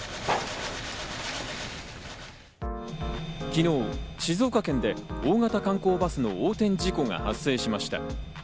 昨日、静岡県で大型観光バスの横転事故が発生しました。